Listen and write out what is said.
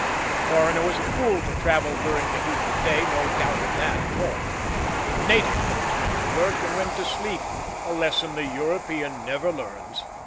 The foreigner was a fool to travel during the heat of the day; no doubt of that at all. The native knows when to work and when to sleep a lesson the European never learns.